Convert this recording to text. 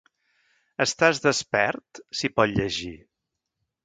Estàs despert?, s’hi pot llegir.